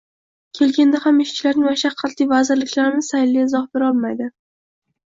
Kelganda ham ishchilarning mashaqqatli vazirliklarimiz tayinli izoh berolmaydi.